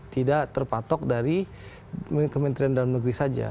tidak terpatok dari kementerian dalam negeri saja